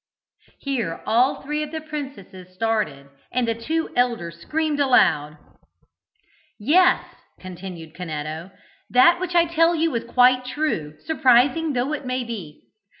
Here all three of the princesses started, and the two elder screamed aloud. "Yes!" continued Canetto, "that which I tell you is quite true, surprising though it be.